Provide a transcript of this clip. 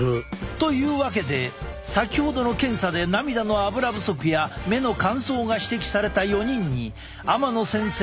というわけで先ほどの検査で涙のアブラ不足や目の乾燥が指摘された４人に天野先生